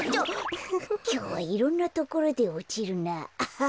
きょうはいろんなところでおちるなあ。